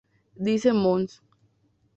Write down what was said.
Dice Mons.